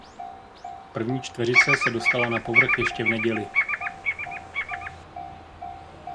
První čtveřice se dostala na povrch ještě v neděli.